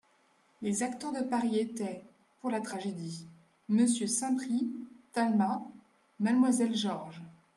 Les acteurs de Paris étaient, pour la tragédie : MMonsieur Saint-Prix, Talma ; Mademoiselle Georges.